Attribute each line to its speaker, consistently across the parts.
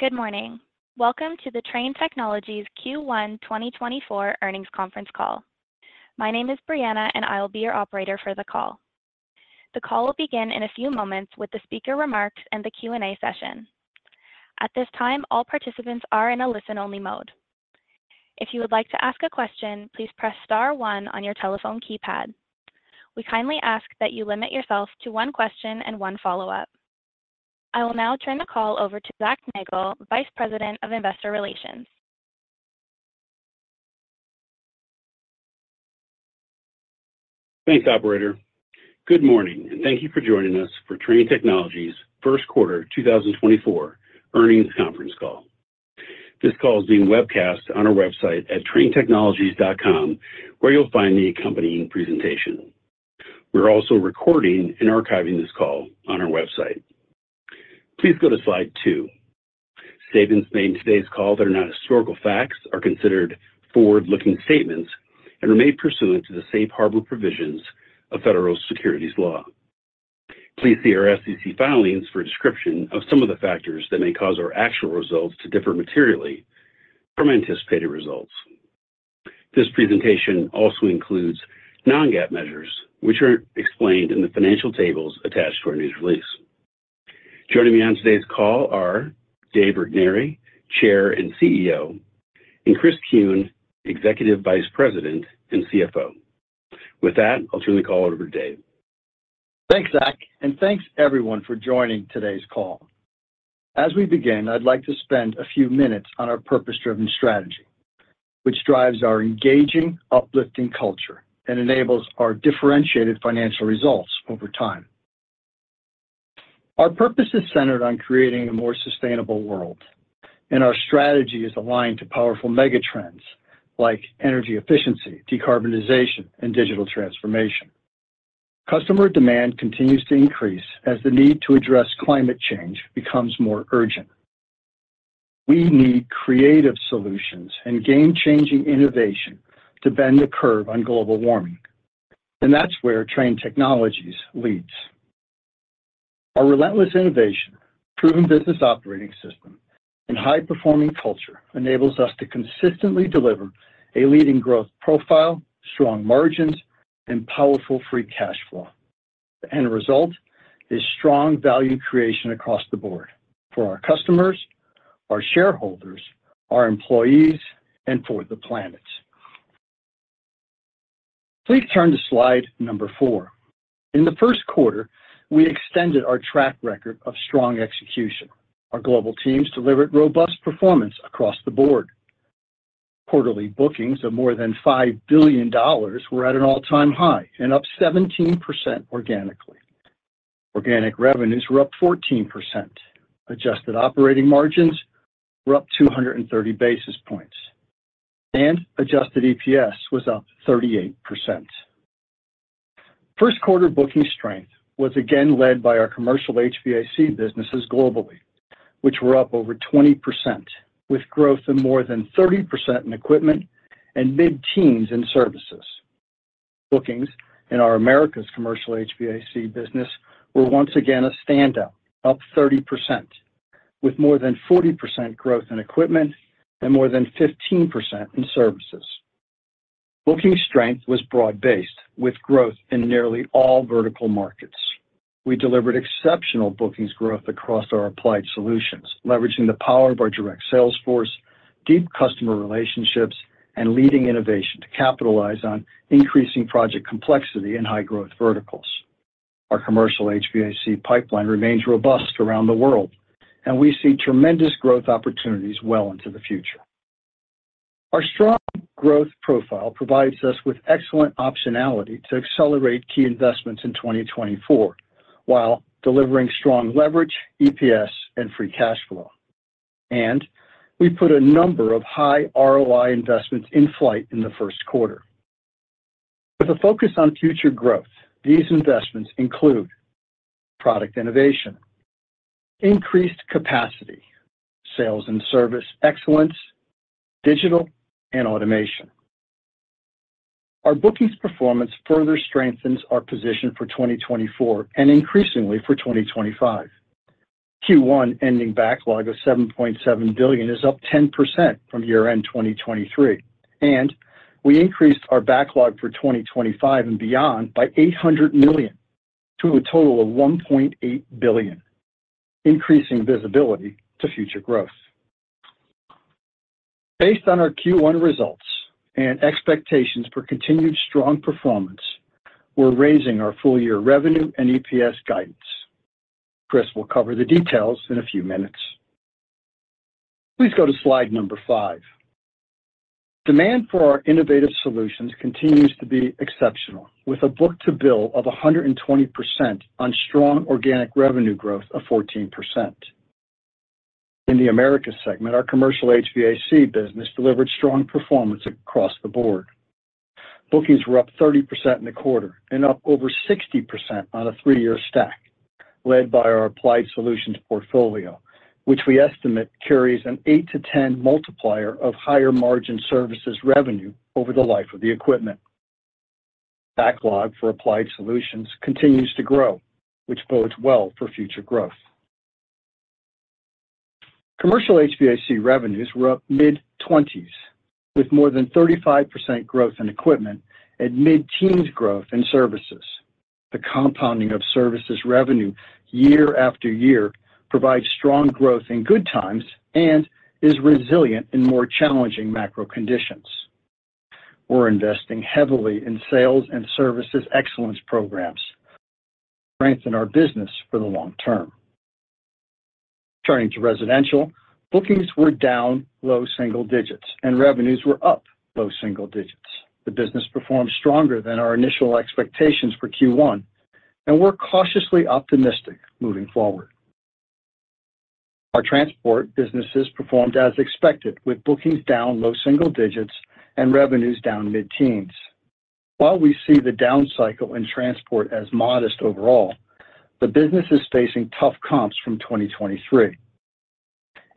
Speaker 1: Good morning. Welcome to the Trane Technologies Q1 2024 earnings conference call. My name is Brianna, and I will be your operator for the call. The call will begin in a few moments with the speaker remarks and the Q&A session. At this time, all participants are in a listen-only mode. If you would like to ask a question, please press star one on your telephone keypad. We kindly ask that you limit yourself to one question and one follow-up. I will now turn the call over to Zac Nagle, Vice President of Investor Relations.
Speaker 2: Thanks, operator. Good morning, and thank you for joining us for Trane Technologies' first quarter 2024 earnings conference call. This call is being webcast on our website at tranetechnologies.com, where you'll find the accompanying presentation. We're also recording and archiving this call on our website. Please go to slide 2. Statements made in today's call that are not historical facts are considered forward-looking statements and are made pursuant to the safe harbor provisions of federal securities law. Please see our SEC filings for a description of some of the factors that may cause our actual results to differ materially from anticipated results. This presentation also includes non-GAAP measures, which are explained in the financial tables attached to our news release. Joining me on today's call are Dave Regnery, Chair and CEO, and Chris Kuehn, Executive Vice President and CFO. With that, I'll turn the call over to Dave.
Speaker 3: Thanks, Zac, and thanks everyone for joining today's call. As we begin, I'd like to spend a few minutes on our purpose-driven strategy, which drives our engaging, uplifting culture and enables our differentiated financial results over time. Our purpose is centered on creating a more sustainable world, and our strategy is aligned to powerful megatrends like energy efficiency, decarbonization, and digital transformation. Customer demand continues to increase as the need to address climate change becomes more urgent. We need creative solutions and game-changing innovation to bend the curve on global warming, and that's where Trane Technologies leads. Our relentless innovation, proven business operating system, and high-performing culture enables us to consistently deliver a leading growth profile, strong margins, and powerful free cash flow. The end result is strong value creation across the board for our customers, our shareholders, our employees, and for the planet. Please turn to slide number four. In the first quarter, we extended our track record of strong execution. Our global teams delivered robust performance across the board. Quarterly bookings of more than $5 billion were at an all-time high and up 17% organically. Organic revenues were up 14%. Adjusted operating margins were up 230 basis points, and Adjusted EPS was up 38%. First quarter booking strength was again led by our commercial HVAC businesses globally, which were up over 20%, with growth of more than 30% in equipment and mid-teens in services. Bookings in our Americas commercial HVAC business were once again a standout, up 30%, with more than 40% growth in equipment and more than 15% in services. Booking strength was broad-based, with growth in nearly all vertical markets. We delivered exceptional bookings growth across our Applied Solutions, leveraging the power of our direct sales force, deep customer relationships, and leading innovation to capitalize on increasing project complexity in high-growth verticals. Our commercial HVAC pipeline remains robust around the world, and we see tremendous growth opportunities well into the future. Our strong growth profile provides us with excellent optionality to accelerate key investments in 2024, while delivering strong leverage, EPS, and free cash flow. We put a number of high ROI investments in flight in the first quarter. With a focus on future growth, these investments include product innovation, increased capacity, sales and service excellence, digital and automation. Our bookings performance further strengthens our position for 2024 and increasingly for 2025. Q1 ending backlog of $7.7 billion is up 10% from year-end 2023, and we increased our backlog for 2025 and beyond by $800 million to a total of $1.8 billion, increasing visibility to future growth. Based on our Q1 results and expectations for continued strong performance, we're raising our full-year revenue and EPS guidance. Chris will cover the details in a few minutes. Please go to slide number 5. Demand for our innovative solutions continues to be exceptional, with a book-to-bill of 120% on strong organic revenue growth of 14%. In the Americas segment, our commercial HVAC business delivered strong performance across the board. Bookings were up 30% in the quarter and up over 60% on a 3-year stack, led by our Applied Solutions portfolio, which we estimate carries an 8-10 multiplier of higher-margin services revenue over the life of the equipment. Backlog for Applied Solutions continues to grow, which bodes well for future growth. Commercial HVAC revenues were up mid-20s, with more than 35% growth in equipment and mid-teens growth in services. The compounding of services revenue year after year provides strong growth in good times and is resilient in more challenging macro conditions. We're investing heavily in sales and services excellence programs to strengthen our business for the long term. Turning to residential, bookings were down low single digits, and revenues were up low single digits. The business performed stronger than our initial expectations for Q1, and we're cautiously optimistic moving forward. Our transport businesses performed as expected, with bookings down low single digits and revenues down mid-teens. While we see the down cycle in transport as modest overall, the business is facing tough comps from 2023.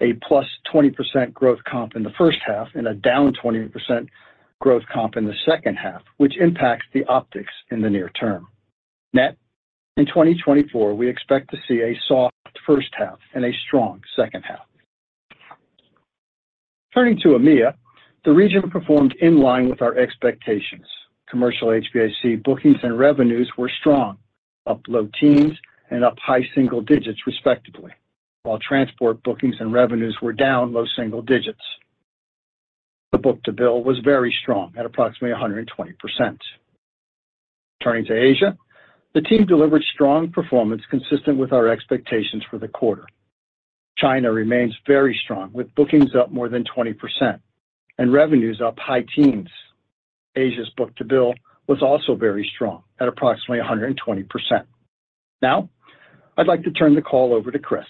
Speaker 3: A +20% growth comp in the first half and a -20% growth comp in the second half, which impacts the optics in the near term. Net, in 2024, we expect to see a soft first half and a strong second half. Turning to EMEA, the region performed in line with our expectations. Commercial HVAC bookings and revenues were strong, up low teens and up high single digits, respectively, while transport bookings and revenues were down low single digits. The book-to-bill was very strong at approximately 120%. Turning to Asia, the team delivered strong performance consistent with our expectations for the quarter. China remains very strong, with bookings up more than 20% and revenues up high teens. Asia's book-to-bill was also very strong at approximately 120%. Now, I'd like to turn the call over to Chris.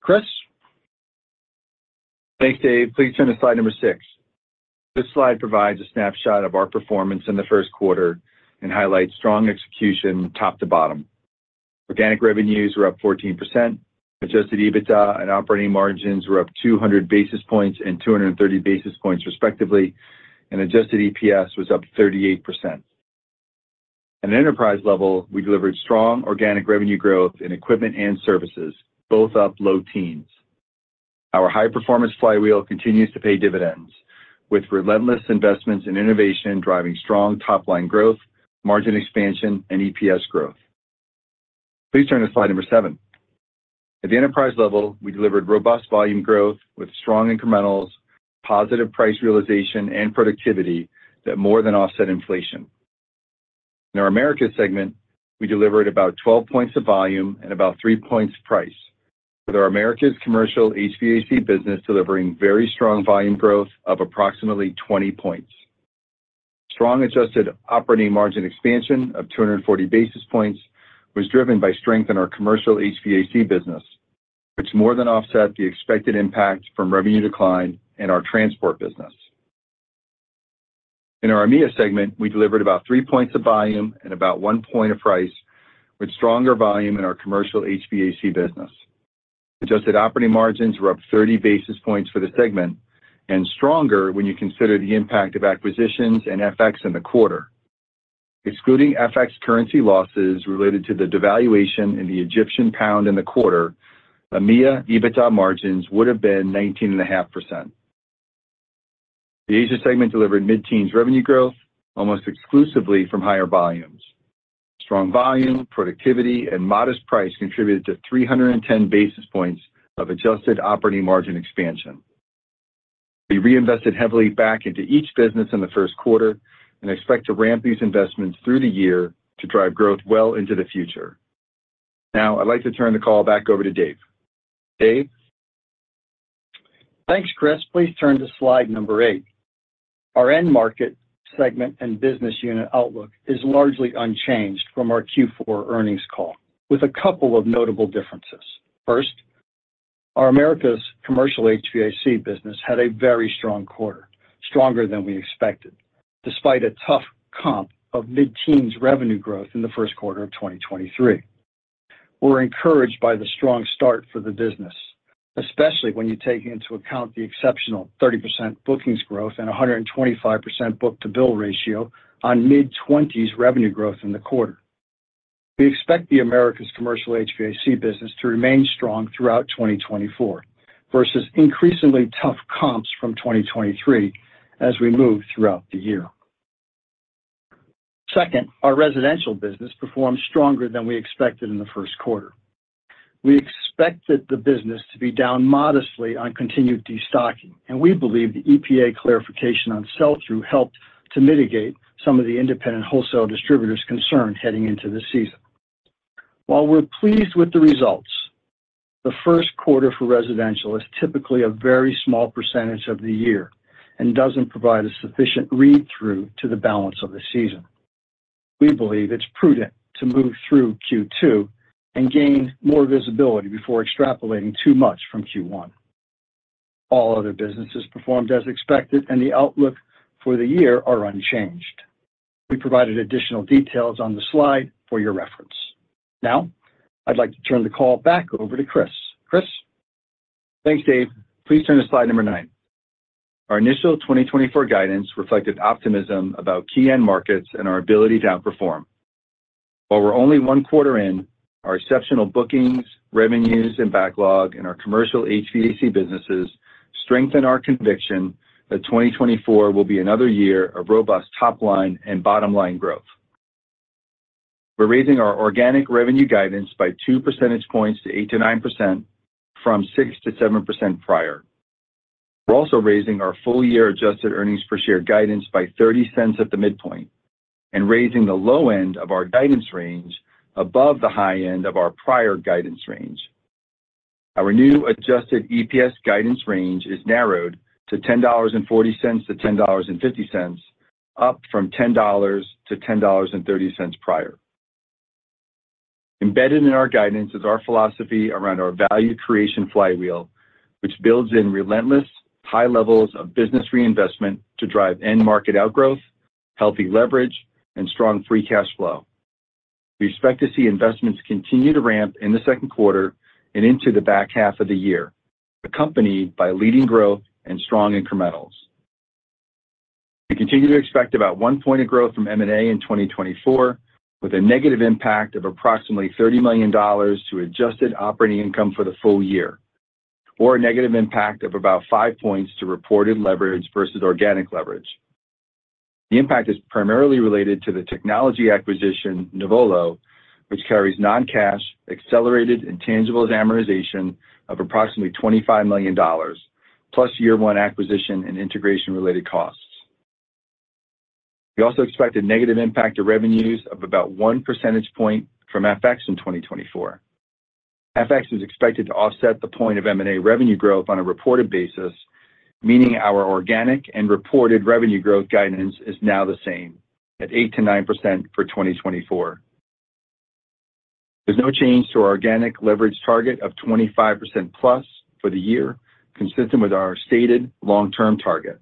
Speaker 3: Chris?
Speaker 4: Thanks, Dave. Please turn to slide number 6. This slide provides a snapshot of our performance in the first quarter and highlights strong execution top to bottom. Organic revenues were up 14%, Adjusted EBITDA and operating margins were up 200 basis points and 230 basis points, respectively, and Adjusted EPS was up 38%. At an enterprise level, we delivered strong organic revenue growth in equipment and services, both up low teens. Our high-performance flywheel continues to pay dividends, with relentless investments in innovation, driving strong top-line growth, margin expansion, and EPS growth. Please turn to slide number 7. At the enterprise level, we delivered robust volume growth with strong incrementals, positive price realization, and productivity that more than offset inflation. In our Americas segment, we delivered about 12 points of volume and about 3 points price, with our Americas Commercial HVAC business delivering very strong volume growth of approximately 20 points. Strong adjusted operating margin expansion of 240 basis points was driven by strength in our commercial HVAC business, which more than offset the expected impact from revenue decline in our transport business. In our EMEA segment, we delivered about 3 points of volume and about 1 point of price, with stronger volume in our commercial HVAC business. Adjusted operating margins were up 30 basis points for the segment and stronger when you consider the impact of acquisitions and FX in the quarter. Excluding FX currency losses related to the devaluation in the Egyptian pound in the quarter, EMEA EBITDA margins would have been 19.5%. The Asia segment delivered mid-teens revenue growth, almost exclusively from higher volumes. Strong volume, productivity, and modest price contributed to 310 basis points of adjusted operating margin expansion. We reinvested heavily back into each business in the first quarter and expect to ramp these investments through the year to drive growth well into the future. Now, I'd like to turn the call back over to Dave. Dave?
Speaker 3: Thanks, Chris. Please turn to slide number 8. Our end market segment and business unit outlook is largely unchanged from our Q4 earnings call, with a couple of notable differences. First, our Americas Commercial HVAC business had a very strong quarter, stronger than we expected, despite a tough comp of mid-teens revenue growth in the first quarter of 2023. We're encouraged by the strong start for the business, especially when you take into account the exceptional 30% bookings growth and a 125% book-to-bill ratio on mid-twenties revenue growth in the quarter. We expect the Americas Commercial HVAC business to remain strong throughout 2024 versus increasingly tough comps from 2023 as we move throughout the year. Second, our residential business performed stronger than we expected in the first quarter. We expected the business to be down modestly on continued destocking, and we believe the EPA clarification on sell-through helped to mitigate some of the independent wholesale distributors' concern heading into the season. While we're pleased with the results, the first quarter for residential is typically a very small percentage of the year and doesn't provide a sufficient read-through to the balance of the season. We believe it's prudent to move through Q2 and gain more visibility before extrapolating too much from Q1. All other businesses performed as expected, and the outlook for the year are unchanged. We provided additional details on the slide for your reference. Now, I'd like to turn the call back over to Chris. Chris?...
Speaker 4: Thanks, Dave. Please turn to slide number 9. Our initial 2024 guidance reflected optimism about key end markets and our ability to outperform. While we're only 1 quarter in, our exceptional bookings, revenues, and backlog in our commercial HVAC businesses strengthen our conviction that 2024 will be another year of robust top line and bottom line growth. We're raising our organic revenue guidance by 2 percentage points to 8%-9% from 6%-7% prior. We're also raising our full year adjusted earnings per share guidance by $0.30 at the midpoint, and raising the low end of our guidance range above the high end of our prior guidance range. Our new adjusted EPS guidance range is narrowed to $10.40-$10.50, up from $10-$10.30 prior. Embedded in our guidance is our philosophy around our value creation flywheel, which builds in relentless high levels of business reinvestment to drive end market outgrowth, healthy leverage, and strong free cash flow. We expect to see investments continue to ramp in the second quarter and into the back half of the year, accompanied by leading growth and strong incrementals. We continue to expect about 1 point of growth from M&A in 2024, with a negative impact of approximately $30 million to adjusted operating income for the full year, or a negative impact of about 5 points to reported leverage versus organic leverage. The impact is primarily related to the technology acquisition, Nuvolo, which carries non-cash, accelerated, intangible amortization of approximately $25 million, plus year one acquisition and integration-related costs. We also expect a negative impact to revenues of about 1 percentage point from FX in 2024. FX is expected to offset the point of M&A revenue growth on a reported basis, meaning our organic and reported revenue growth guidance is now the same at 8%-9% for 2024. There's no change to our organic leverage target of 25%+ for the year, consistent with our stated long-term target.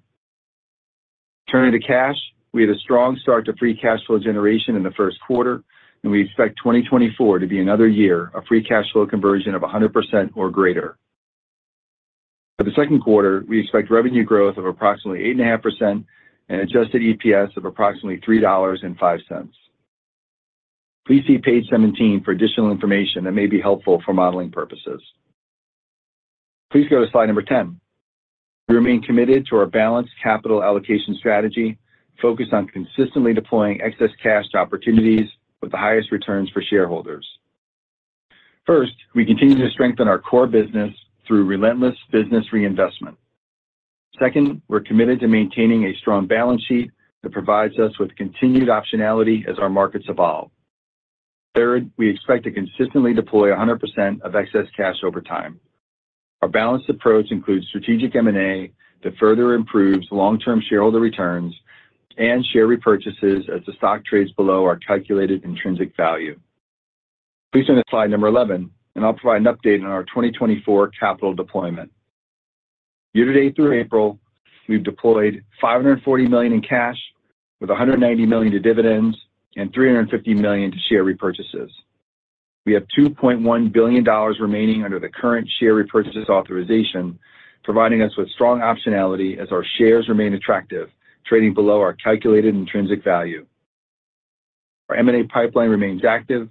Speaker 4: Turning to cash, we had a strong start to free cash flow generation in the first quarter, and we expect 2024 to be another year of free cash flow conversion of 100% or greater. For the second quarter, we expect revenue growth of approximately 8.5% and Adjusted EPS of approximately $3.05. Please see page 17 for additional information that may be helpful for modeling purposes. Please go to slide number 10. We remain committed to our balanced capital allocation strategy, focused on consistently deploying excess cash opportunities with the highest returns for shareholders. First, we continue to strengthen our core business through relentless business reinvestment. Second, we're committed to maintaining a strong balance sheet that provides us with continued optionality as our markets evolve. Third, we expect to consistently deploy 100% of excess cash over time. Our balanced approach includes strategic M&A that further improves long-term shareholder returns and share repurchases as the stock trades below our calculated intrinsic value. Please turn to slide number 11, and I'll provide an update on our 2024 capital deployment. Year-to-date through April, we've deployed $540 million in cash, with $190 million to dividends and $350 million to share repurchases. We have $2.1 billion remaining under the current share repurchase authorization, providing us with strong optionality as our shares remain attractive, trading below our calculated intrinsic value. Our M&A pipeline remains active.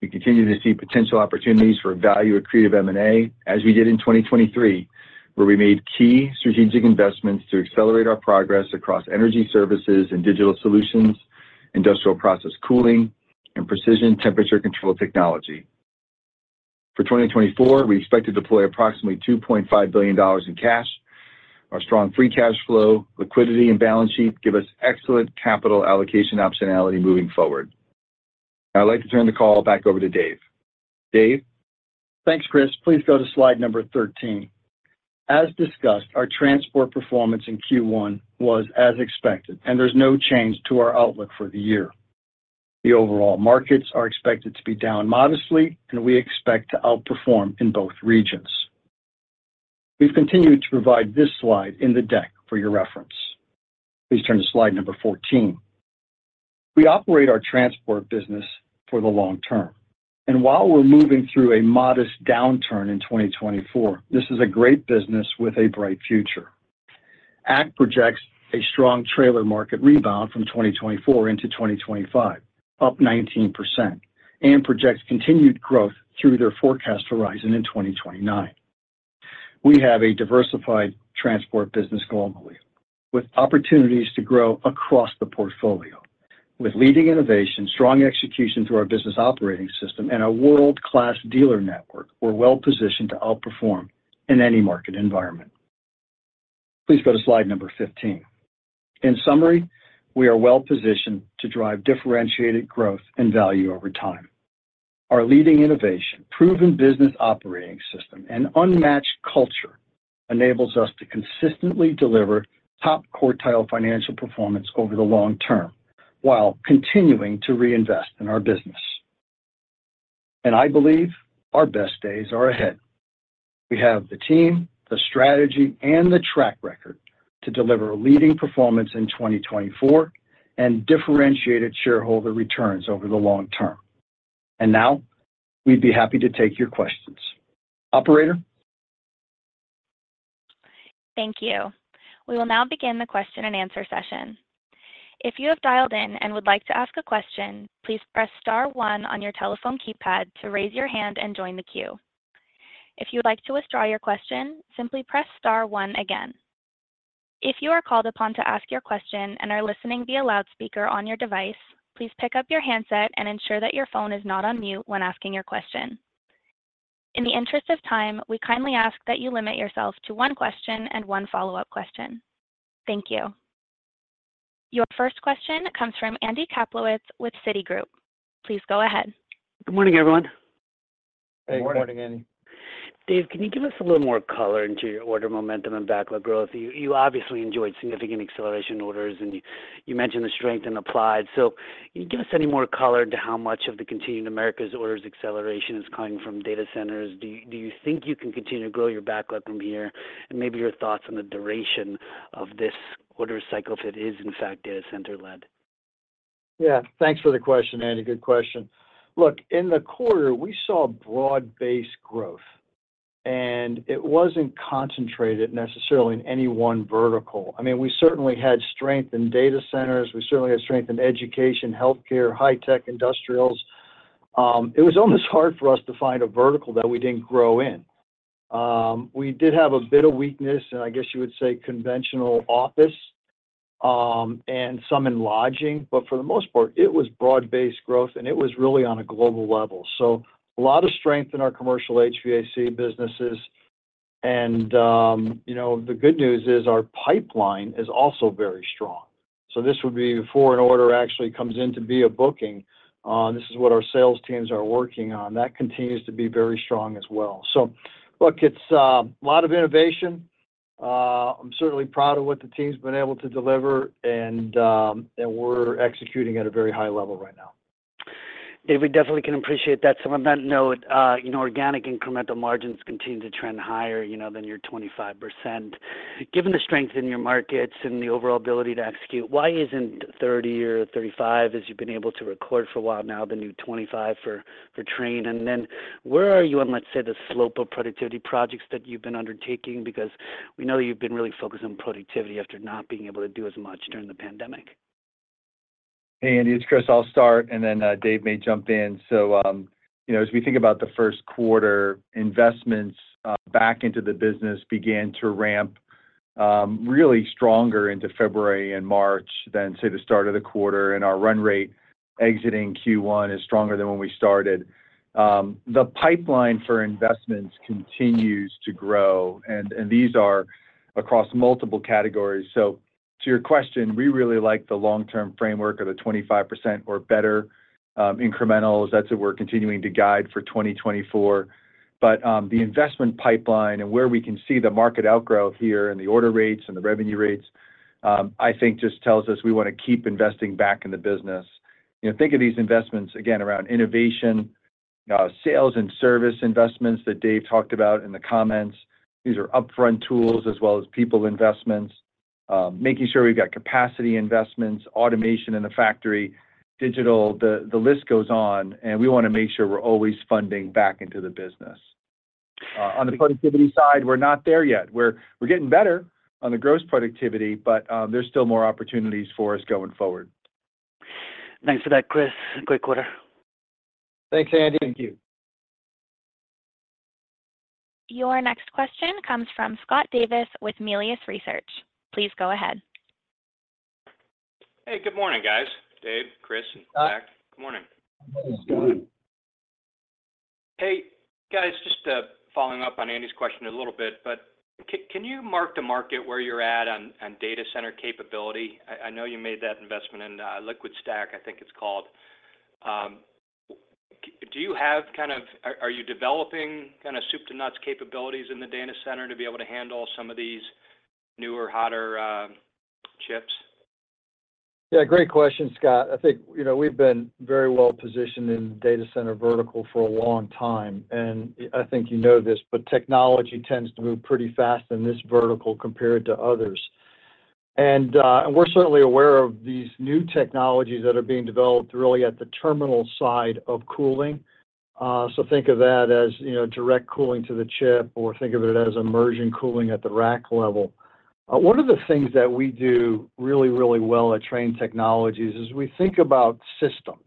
Speaker 4: We continue to see potential opportunities for value accretive M&A as we did in 2023, where we made key strategic investments to accelerate our progress across energy services and digital solutions, industrial process cooling, and precision temperature control technology. For 2024, we expect to deploy approximately $2.5 billion in cash. Our strong free cash flow, liquidity, and balance sheet give us excellent capital allocation optionality moving forward. Now, I'd like to turn the call back over to Dave. Dave?
Speaker 3: Thanks, Chris. Please go to slide number 13. As discussed, our transport performance in Q1 was as expected, and there's no change to our outlook for the year. The overall markets are expected to be down modestly, and we expect to outperform in both regions. We've continued to provide this slide in the deck for your reference. Please turn to slide number 14. We operate our transport business for the long term, and while we're moving through a modest downturn in 2024, this is a great business with a bright future. ACT projects a strong trailer market rebound from 2024 into 2025, up 19%, and projects continued growth through their forecast horizon in 2029. We have a diversified transport business globally, with opportunities to grow across the portfolio. With leading innovation, strong execution through our business operating system, and a world-class dealer network, we're well positioned to outperform in any market environment. Please go to slide number 15. In summary, we are well positioned to drive differentiated growth and value over time. Our leading innovation, proven business operating system, and unmatched culture enables us to consistently deliver top-quartile financial performance over the long term while continuing to reinvest in our business. I believe our best days are ahead. We have the team, the strategy, and the track record to deliver a leading performance in 2024 and differentiated shareholder returns over the long term... Now, we'd be happy to take your questions. Operator?
Speaker 1: Thank you. We will now begin the question-and-answer session. If you have dialed in and would like to ask a question, please press star one on your telephone keypad to raise your hand and join the queue. If you'd like to withdraw your question, simply press star one again. If you are called upon to ask your question and are listening via loudspeaker on your device, please pick up your handset and ensure that your phone is not on mute when asking your question. In the interest of time, we kindly ask that you limit yourself to one question and one follow-up question. Thank you. Your first question comes from Andy Kaplowitz with Citigroup. Please go ahead.
Speaker 5: Good morning, everyone.
Speaker 3: Hey, good morning, Andy.
Speaker 4: Good morning.
Speaker 5: Dave, can you give us a little more color into your order momentum and backlog growth? You obviously enjoyed significant acceleration orders, and you mentioned the strength in applied. So can you give us any more color into how much of the continued Americas orders acceleration is coming from data centers? Do you think you can continue to grow your backlog from here? And maybe your thoughts on the duration of this order cycle if it is, in fact, data center-led.
Speaker 3: Yeah. Thanks for the question, Andy. Good question. Look, in the quarter, we saw broad-based growth, and it wasn't concentrated necessarily in any one vertical. I mean, we certainly had strength in data centers, we certainly had strength in education, healthcare, high tech, industrials. It was almost hard for us to find a vertical that we didn't grow in. We did have a bit of weakness in, I guess you would say, conventional office, and some in lodging, but for the most part, it was broad-based growth, and it was really on a global level. So a lot of strength in our commercial HVAC businesses, and, you know, the good news is our pipeline is also very strong. So this would be before an order actually comes in to be a booking, this is what our sales teams are working on. That continues to be very strong as well. So look, it's a lot of innovation. I'm certainly proud of what the team's been able to deliver, and we're executing at a very high level right now.
Speaker 5: Dave, we definitely can appreciate that. So on that note, you know, organic incremental margins continue to trend higher, you know, than your 25%. Given the strength in your markets and the overall ability to execute, why isn't 30 or 35, as you've been able to record for a while now, the new 25 for, for Trane? And then where are you on, let's say, the slope of productivity projects that you've been undertaking? Because we know you've been really focused on productivity after not being able to do as much during the pandemic.
Speaker 4: Hey, Andy, it's Chris. I'll start, and then Dave may jump in. So, you know, as we think about the first quarter, investments back into the business began to ramp really stronger into February and March than, say, the start of the quarter, and our run rate exiting Q1 is stronger than when we started. The pipeline for investments continues to grow, and these are across multiple categories. So to your question, we really like the long-term framework of the 25% or better incrementals. That's what we're continuing to guide for 2024. But the investment pipeline and where we can see the market outgrow here and the order rates and the revenue rates, I think just tells us we wanna keep investing back in the business. You know, think of these investments again around innovation, sales and service investments that Dave talked about in the comments. These are upfront tools as well as people investments, making sure we've got capacity investments, automation in the factory, digital, the list goes on, and we wanna make sure we're always funding back into the business. On the productivity side, we're not there yet. We're getting better on the gross productivity, but there's still more opportunities for us going forward.
Speaker 5: Thanks for that, Chris. Great quarter.
Speaker 3: Thanks, Andy.
Speaker 4: Thank you.
Speaker 1: Your next question comes from Scott Davis with Melius Research. Please go ahead.
Speaker 6: Hey, good morning, guys. Dave, Chris, and Zac-
Speaker 3: Hi.
Speaker 4: Good morning, Scott.
Speaker 6: Hey, guys, just following up on Andy's question a little bit, but can you mark the market where you're at on, on data center capability? I know you made that investment in LiquidStack, I think it's called. Do you have kind of... Are you developing kind of soup to nuts capabilities in the data center to be able to handle some of these newer, hotter chips?
Speaker 3: Yeah, great question, Scott. I think, you know, we've been very well positioned in data center vertical for a long time, and I think you know this, but technology tends to move pretty fast in this vertical compared to others. And, and we're certainly aware of these new technologies that are being developed really at the terminal side of cooling. So think of that as, you know, direct cooling to the chip, or think of it as immersion cooling at the rack level. One of the things that we do really, really well at Trane Technologies is we think about systems.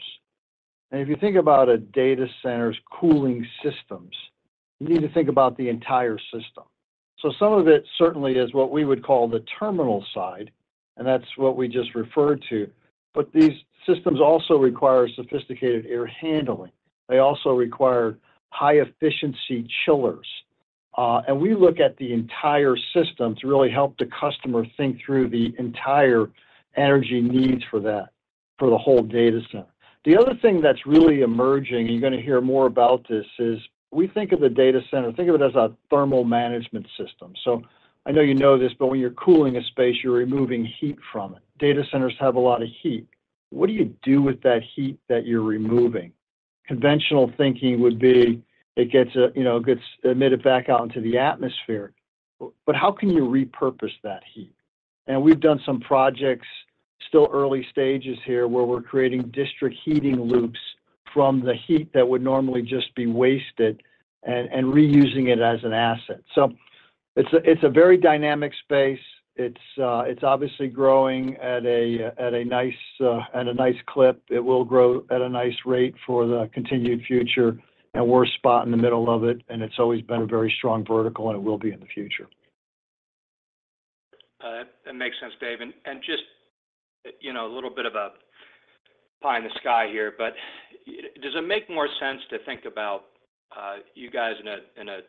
Speaker 3: And if you think about a data center's cooling systems, you need to think about the entire system. So some of it certainly is what we would call the terminal side, and that's what we just referred to, but these systems also require sophisticated air handling. They also require high-efficiency chillers. And we look at the entire system to really help the customer think through the entire energy needs for that, for the whole data center. The other thing that's really emerging, you're gonna hear more about this, is we think of the data center, think of it as a thermal management system. So I know you know this, but when you're cooling a space, you're removing heat from it. Data centers have a lot of heat. What do you do with that heat that you're removing? Conventional thinking would be, it gets, you know, it gets emitted back out into the atmosphere, but how can you repurpose that heat? And we've done some projects-... Still early stages here, where we're creating district heating loops from the heat that would normally just be wasted and reusing it as an asset. So it's a very dynamic space. It's obviously growing at a nice clip. It will grow at a nice rate for the continued future, and we're right in the middle of it, and it's always been a very strong vertical, and it will be in the future.
Speaker 6: That makes sense, Dave. And just, you know, a little bit of a pie in the sky here, but does it make more sense to think about you guys in a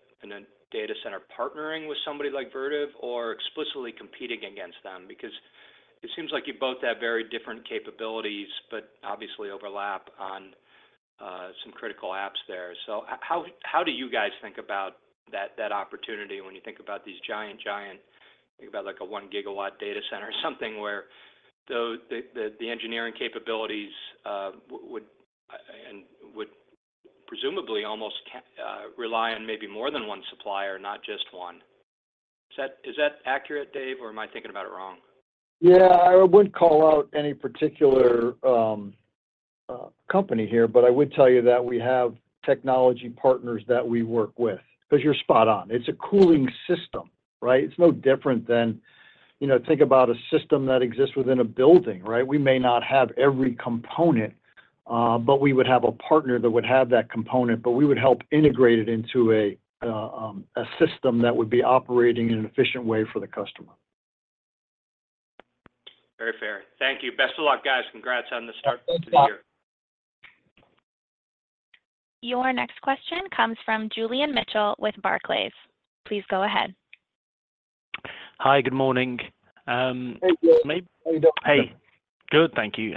Speaker 6: data center partnering with somebody like Vertiv or explicitly competing against them? Because it seems like you both have very different capabilities, but obviously overlap on some critical apps there. So how do you guys think about that opportunity when you think about these giant data centers—like a 1 GW data center or something where the engineering capabilities would presumably almost rely on maybe more than one supplier, not just one. Is that accurate, Dave, or am I thinking about it wrong?
Speaker 3: Yeah, I wouldn't call out any particular company here, but I would tell you that we have technology partners that we work with. 'Cause you're spot on. It's a cooling system, right? It's no different than... You know, think about a system that exists within a building, right? We may not have every component, but we would have a partner that would have that component, but we would help integrate it into a system that would be operating in an efficient way for the customer.
Speaker 6: Very fair. Thank you. Best of luck, guys. Congrats on the start to the year.
Speaker 3: Thanks, Scott.
Speaker 1: Your next question comes from Julian Mitchell with Barclays. Please go ahead.
Speaker 7: Hi, good morning.
Speaker 3: Hey, Julian. How you doing?
Speaker 7: Hey. Good, thank you.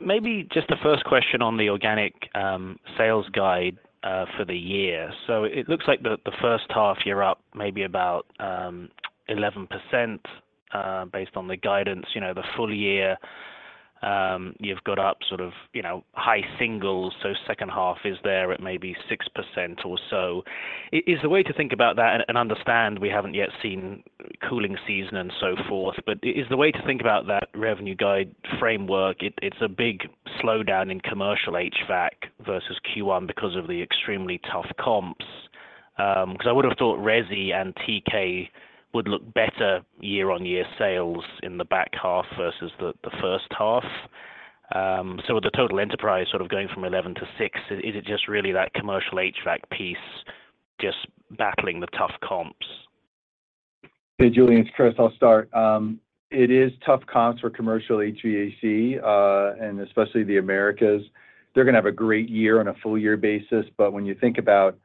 Speaker 7: Maybe just the first question on the organic sales guide for the year. So it looks like the first half, you're up maybe about 11%, based on the guidance. You know, the full year, you've got up sort of, you know, high singles, so second half is there at maybe 6% or so. Is the way to think about that and understand we haven't yet seen cooling season and so forth, but is the way to think about that revenue guide framework, it's a big slowdown in commercial HVAC versus Q1 because of the extremely tough comps. 'Cause I would've thought Resi and TK would look better year-on-year sales in the back half versus the first half. So, with the total enterprise sort of going from 11 to 6, is it just really that commercial HVAC piece just battling the tough comps?
Speaker 4: Hey, Julian, it's Chris. I'll start. It is tough comps for commercial HVAC, and especially the Americas. They're gonna have a great year on a full year basis, but when you think about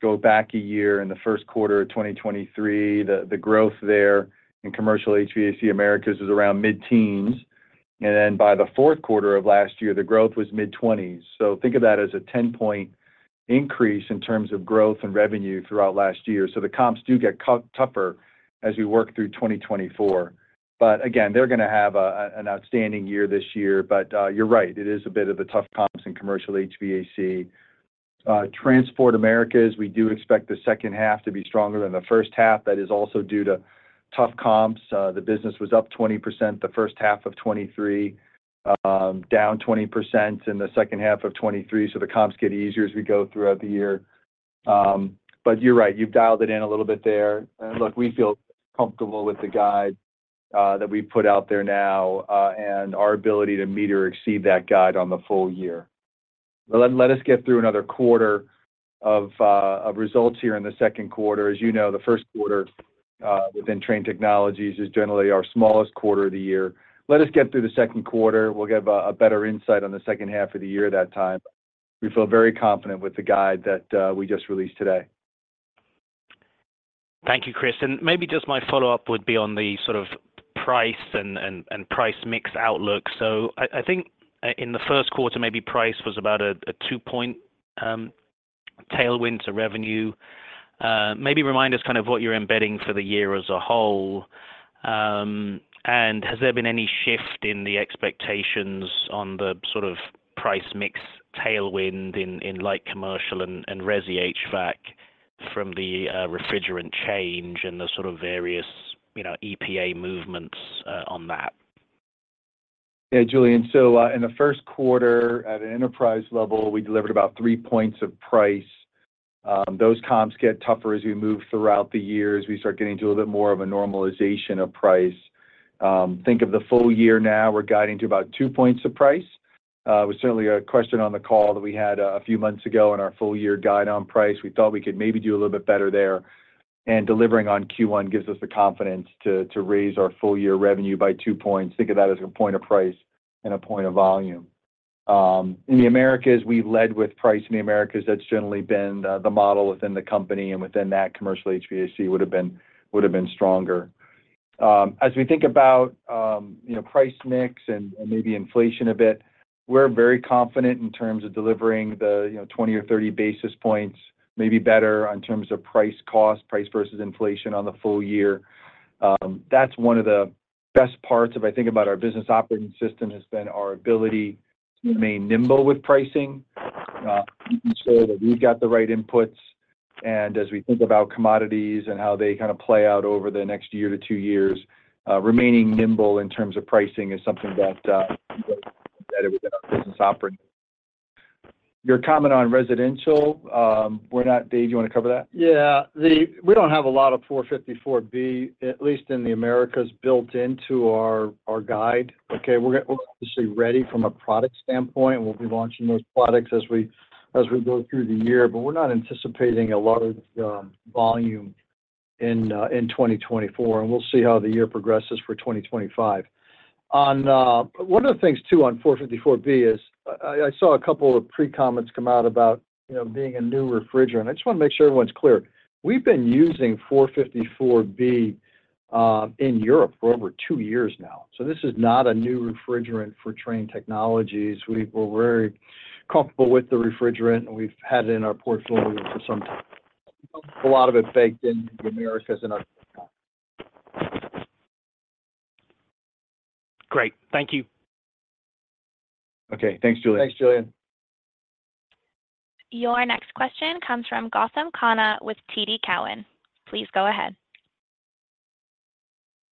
Speaker 4: go back a year in the first quarter of 2023, the growth there in commercial HVAC Americas was around mid-teens, and then by the fourth quarter of last year, the growth was mid-twenties. So think of that as a 10-point increase in terms of growth and revenue throughout last year. So the comps do get tougher as we work through 2024. But again, they're gonna have an outstanding year this year. But, you're right, it is a bit of a tough comps in commercial HVAC. Transport Americas, we do expect the second half to be stronger than the first half. That is also due to tough comps. The business was up 20% the first half of 2023, down 20% in the second half of 2023, so the comps get easier as we go throughout the year. But you're right, you've dialed it in a little bit there. And look, we feel comfortable with the guide that we've put out there now, and our ability to meet or exceed that guide on the full year. But let us get through another quarter of results here in the second quarter. As you know, the first quarter within Trane Technologies is generally our smallest quarter of the year. Let us get through the second quarter. We'll give a better insight on the second half of the year that time. We feel very confident with the guide that we just released today.
Speaker 7: Thank you, Chris. Maybe just my follow-up would be on the sort of price and price mix outlook. So I think in the first quarter, maybe price was about a 2-point tailwind to revenue. Maybe remind us kind of what you're embedding for the year as a whole. And has there been any shift in the expectations on the sort of price mix tailwind in light commercial and Resi HVAC from the refrigerant change and the sort of various, you know, EPA movements on that?
Speaker 4: Yeah, Julian. So, in the first quarter, at an enterprise level, we delivered about 3 points of price. Those comps get tougher as we move throughout the year, as we start getting to a little bit more of a normalization of price. Think of the full year now, we're guiding to about 2 points of price. It was certainly a question on the call that we had a few months ago in our full year guide on price. We thought we could maybe do a little bit better there, and delivering on Q1 gives us the confidence to raise our full-year revenue by 2 points. Think of that as a point of price and a point of volume. In the Americas, we've led with price in the Americas. That's generally been the model within the company, and within that, commercial HVAC would've been stronger. As we think about, you know, price mix and maybe inflation a bit, we're very confident in terms of delivering the, you know, 20 or 30 basis points, maybe better in terms of price cost, price versus inflation on the full year. That's one of the best parts, if I think about our business operating system, has been our ability to remain nimble with pricing. You can say that we've got the right inputs, and as we think about commodities and how they kind of play out over the next year to two years, remaining nimble in terms of pricing is something that that it was in our business operating. Your comment on residential, we're not—Dave, do you wanna cover that?
Speaker 3: Yeah. We don't have a lot of R-454B, at least in the Americas, built into our guide, okay? We're obviously ready from a product standpoint, and we'll be launching those products as we go through the year. But we're not anticipating a lot of volume in 2024, and we'll see how the year progresses for 2025. On one of the things, too, on R-454B is I saw a couple of pre-comments come out about, you know, being a new refrigerant. I just wanna make sure everyone's clear. We've been using R-454B in Europe for over two years now, so this is not a new refrigerant for Trane Technologies. We're very comfortable with the refrigerant, and we've had it in our portfolio for some time. A lot of it baked in the Americas in our time.
Speaker 7: Great. Thank you.
Speaker 4: Okay. Thanks, Julian.
Speaker 3: Thanks, Julian.
Speaker 1: Your next question comes from Gautam Khanna with TD Cowen. Please go ahead.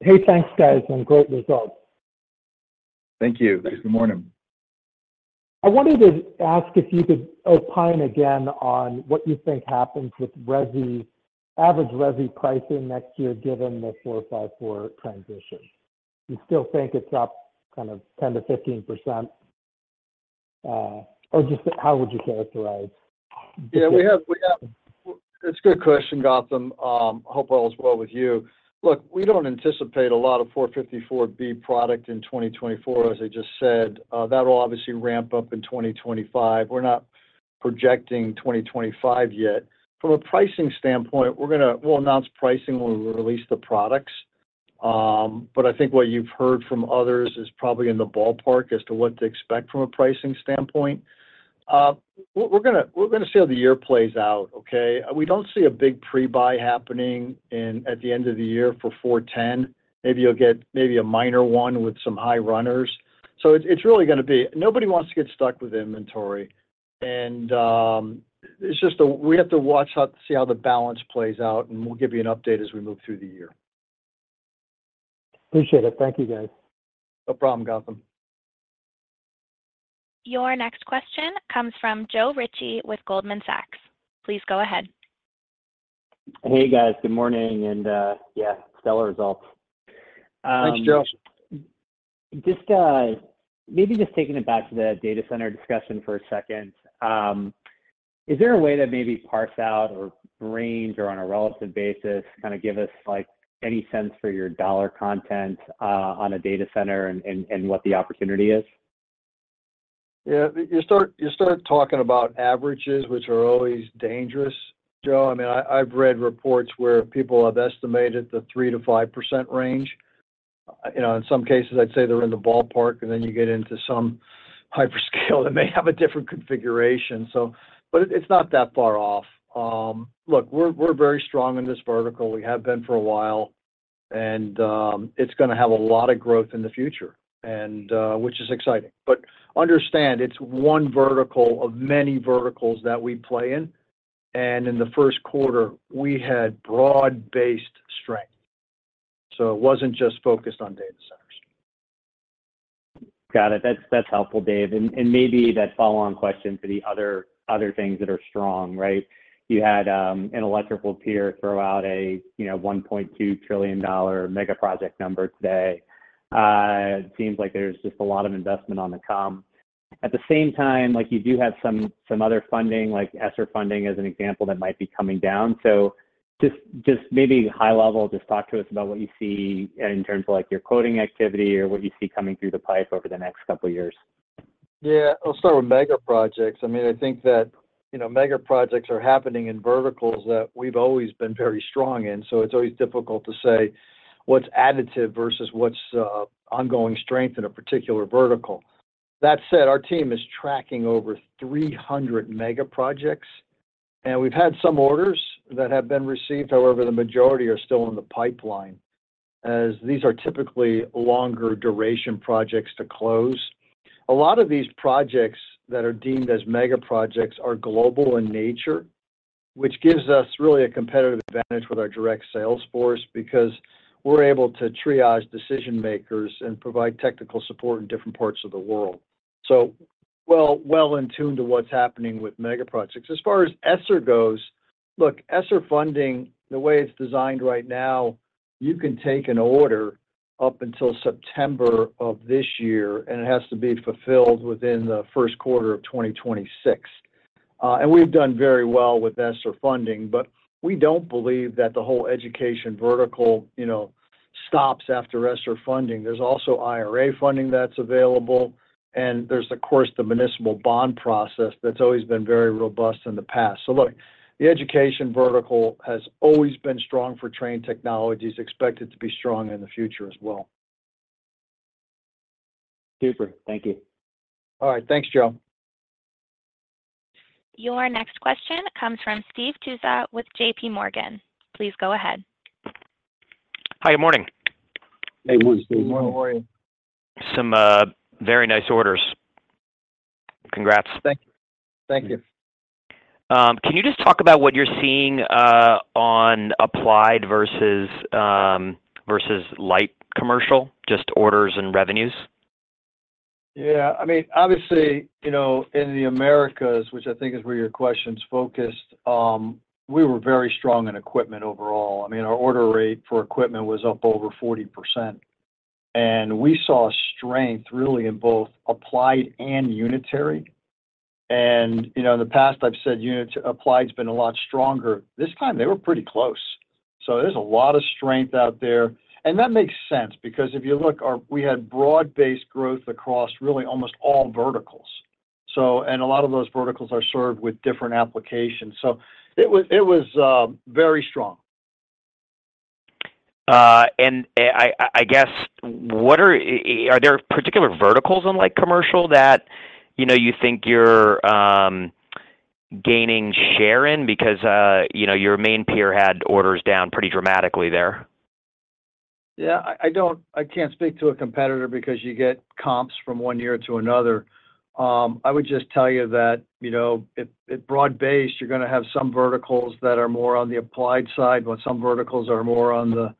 Speaker 8: Hey, thanks, guys, and great results.
Speaker 4: Thank you.
Speaker 3: Thanks.
Speaker 4: Good morning.
Speaker 8: I wanted to ask if you could opine again on what you think happens with Resi average Resi pricing next year, given the 454 transition? You still think it's up kind of 10%-15%, or just how would you characterize?
Speaker 3: Yeah, we have... It's a good question, Gautam. Hope all is well with you. Look, we don't anticipate a lot of 454B product in 2024, as I just said. That will obviously ramp up in 2025. We're not projecting 2025 yet. From a pricing standpoint, we're gonna. We'll announce pricing when we release the products. But I think what you've heard from others is probably in the ballpark as to what to expect from a pricing standpoint. We're gonna see how the year plays out, okay? We don't see a big pre-buy happening in at the end of the year for 410. Maybe you'll get a minor one with some high runners. So it's really gonna be... Nobody wants to get stuck with inventory, and it's just we have to watch out to see how the balance plays out, and we'll give you an update as we move through the year.
Speaker 8: Appreciate it. Thank you, guys.
Speaker 3: No problem, Gautam.
Speaker 1: Your next question comes from Joe Ritchie with Goldman Sachs. Please go ahead.
Speaker 9: Hey, guys. Good morning, and yeah, stellar results.
Speaker 3: Thanks, Joe.
Speaker 9: Just, maybe just taking it back to the data center discussion for a second. Is there a way to maybe parse out or range or on a relative basis, kind of give us, like, any sense for your dollar content on a data center and what the opportunity is?
Speaker 3: Yeah. You start talking about averages, which are always dangerous, Joe. I mean, I've read reports where people have estimated the 3%-5% range. You know, in some cases, I'd say they're in the ballpark, and then you get into some hyperscale that may have a different configuration, so... But it's not that far off. Look, we're very strong in this vertical. We have been for a while, and it's gonna have a lot of growth in the future, and which is exciting. But understand, it's one vertical of many verticals that we play in, and in the first quarter, we had broad-based strength, so it wasn't just focused on data centers.
Speaker 9: Got it. That's, that's helpful, Dave. And, and maybe that follow-on question for the other, other things that are strong, right? You had, an electrical peer throw out a, you know, $1.2 trillion mega project number today. It seems like there's just a lot of investment on the come. At the same time, like, you do have some, some other funding, like ESSER funding, as an example, that might be coming down. So just, just maybe high level, just talk to us about what you see in terms of, like, your quoting activity or what you see coming through the pipe over the next couple of years.
Speaker 3: Yeah. I'll start with mega projects. I mean, I think that, you know, mega projects are happening in verticals that we've always been very strong in, so it's always difficult to say what's additive versus what's ongoing strength in a particular vertical. That said, our team is tracking over 300 mega projects, and we've had some orders that have been received. However, the majority are still in the pipeline, as these are typically longer duration projects to close. A lot of these projects that are deemed as mega projects are global in nature, which gives us really a competitive advantage with our direct sales force because we're able to triage decision-makers and provide technical support in different parts of the world, so, well, well in tune to what's happening with mega projects. As far as ESSER goes, look, ESSER funding, the way it's designed right now, you can take an order up until September of this year, and it has to be fulfilled within the first quarter of 2026. And we've done very well with ESSER funding, but we don't believe that the whole education vertical, you know, stops after ESSER funding. There's also IRA funding that's available, and there's, of course, the municipal bond process that's always been very robust in the past. So look, the education vertical has always been strong for Trane Technologies, expected to be strong in the future as well.
Speaker 9: Super. Thank you.
Speaker 3: All right. Thanks, Joe.
Speaker 1: Your next question comes from Steve Tusa with JPMorgan. Please go ahead.
Speaker 10: Hi, good morning.
Speaker 3: Hey, good morning.
Speaker 4: Good morning.
Speaker 10: Some very nice orders. Congrats.
Speaker 3: Thank you. Thank you.
Speaker 10: Can you just talk about what you're seeing on applied versus light commercial? Just orders and revenues.
Speaker 3: Yeah. I mean, obviously, you know, in the Americas, which I think is where your question's focused, we were very strong in equipment overall. I mean, our order rate for equipment was up over 40%, and we saw strength really in both applied and unitary. And, you know, in the past, I've said applied's been a lot stronger. This time, they were pretty close. So there's a lot of strength out there, and that makes sense because if you look, we had broad-based growth across really almost all verticals. And a lot of those verticals are served with different applications, so it was very strong.
Speaker 10: I guess, are there particular verticals in, like, commercial that, you know, you think you're gaining share in? Because, you know, your main peer had orders down pretty dramatically there.
Speaker 3: Yeah, I don't, I can't speak to a competitor because you get comps from one year to another. I would just tell you that, you know, if it broad-based, you're gonna have some verticals that are more on the applied side, but some verticals are more on the,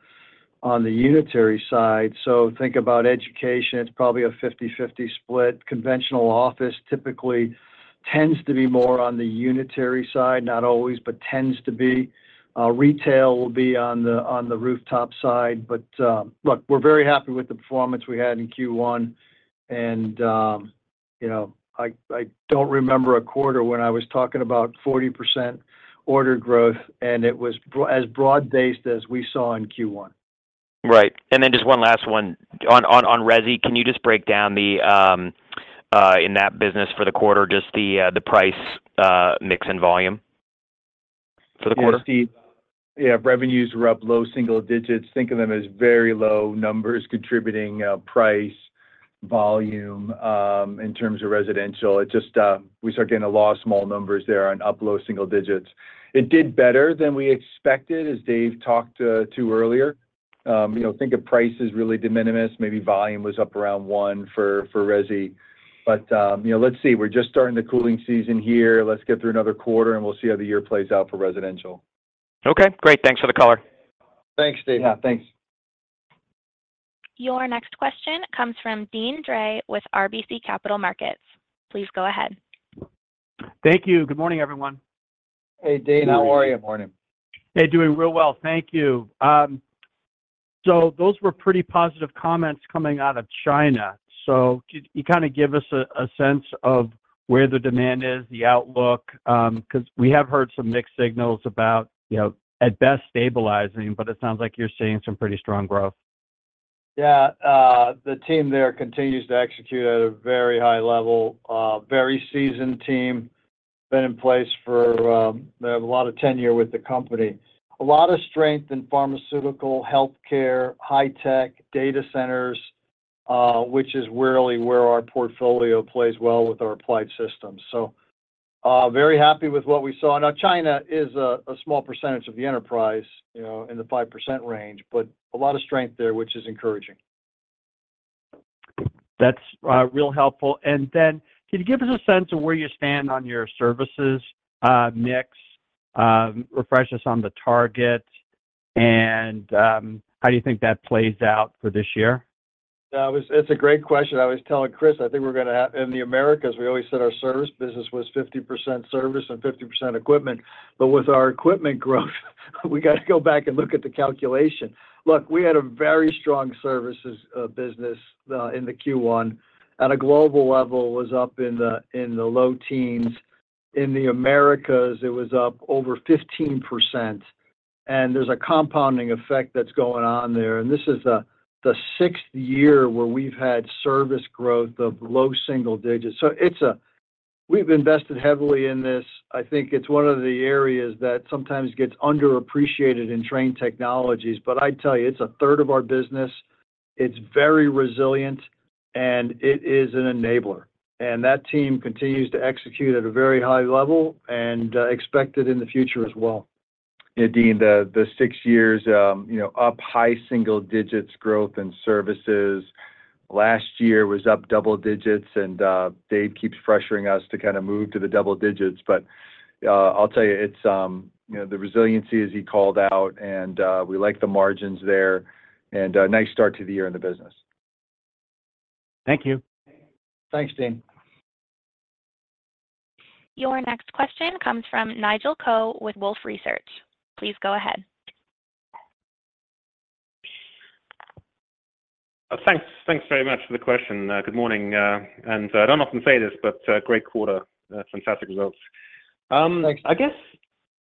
Speaker 3: on the unitary side. So think about education, it's probably a 50/50 split. Conventional office typically tends to be more on the unitary side, not always, but tends to be. Retail will be on the, on the rooftop side. But, look, we're very happy with the performance we had in Q1, and, you know, I, I don't remember a quarter when I was talking about 40% order growth, and it was as broad-based as we saw in Q1.
Speaker 10: Right. And then just one last one. On Resi, can you just break down the in that business for the quarter, just the price, mix and volume for the quarter?
Speaker 4: Yeah, Steve. Yeah, revenues were up low single digits. Think of them as very low numbers, contributing price, volume, in terms of residential. It just, we start getting a lot of small numbers there and up low single digits. It did better than we expected, as Dave talked to earlier. You know, think of price as really de minimis. Maybe volume was up around 1 for Resi. But, you know, let's see, we're just starting the cooling season here. Let's get through another quarter, and we'll see how the year plays out for residential.
Speaker 10: Okay, great. Thanks for the color.
Speaker 3: Thanks, Steve.
Speaker 4: Yeah, thanks.
Speaker 1: Your next question comes from Deane Dray with RBC Capital Markets. Please go ahead.
Speaker 11: Thank you. Good morning, everyone.
Speaker 3: Hey, Deane, how are you?
Speaker 4: Good morning.
Speaker 11: Hey, doing real well. Thank you. So those were pretty positive comments coming out of China. So could you kind of give us a sense of where the demand is, the outlook? 'Cause we have heard some mixed signals about, you know, at best, stabilizing, but it sounds like you're seeing some pretty strong growth.
Speaker 3: Yeah, the team there continues to execute at a very high level, very seasoned team, been in place for, they have a lot of tenure with the company. A lot of strength in pharmaceutical, healthcare, high tech, data centers, which is really where our portfolio plays well with our Applied System. So, very happy with what we saw. Now, China is a small percentage of the enterprise, you know, in the 5% range, but a lot of strength there, which is encouraging.
Speaker 11: That's real helpful. And then, can you give us a sense of where you stand on your services mix? Refresh us on the targets, and how do you think that plays out for this year?
Speaker 3: Yeah, it was. It's a great question. I was telling Chris, I think we're gonna have... In the Americas, we always said our service business was 50% service and 50% equipment, but with our equipment growth, we gotta go back and look at the calculation. Look, we had a very strong services business in the Q1. At a global level, it was up in the low teens. In the Americas, it was up over 15%, and there's a compounding effect that's going on there, and this is the sixth year where we've had service growth of low single digits. So it's a. We've invested heavily in this. I think it's one of the areas that sometimes gets underappreciated in Trane Technologies, but I tell you, it's a third of our business. It's very resilient, and it is an enabler, and that team continues to execute at a very high level and, expect it in the future as well.
Speaker 4: Yeah, Deane, the six years, you know, up high single digits growth in services. Last year was up double digits, and Dave keeps pressuring us to kind of move to the double digits. But, I'll tell you, it's, you know, the resiliency, as he called out, and we like the margins there, and nice start to the year in the business.
Speaker 11: Thank you.
Speaker 3: Thanks, Deane.
Speaker 1: Your next question comes from Nigel Coe with Wolfe Research. Please go ahead.
Speaker 12: Thanks. Thanks very much for the question. Good morning, and I don't often say this, but, great quarter, fantastic results.
Speaker 3: Thanks.
Speaker 12: I guess,